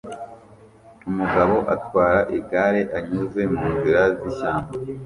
Umugabo atwara igare anyuze munzira zishyamba